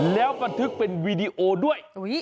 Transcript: แล้วบันทึกเป็นวีดีโอด้วย